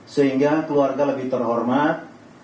sehingga keluarga lebih terhormat